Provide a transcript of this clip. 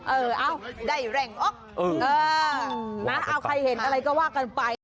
เออเอาได้แรงออกเออนะเอาใครเห็นอะไรก็ว่ากันไป